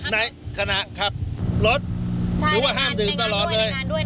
ในขณะขับรถหรือว่าห้ามดื่มตลอดเลย